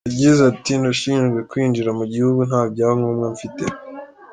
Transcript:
Yagize ati “Nashinjwe kwinjira mu gihugu nta byangombwa mfite.